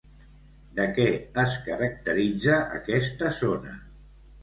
De què es caracteritza aquesta zona?